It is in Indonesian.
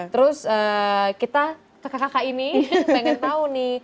terus kita kakak kakak ini pengen tahu nih